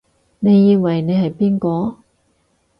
你以為你係邊個？